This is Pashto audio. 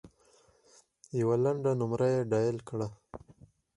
یوه لنډه نمره یې ډایل کړه .